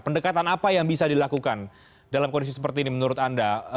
pendekatan apa yang bisa dilakukan dalam kondisi seperti ini menurut anda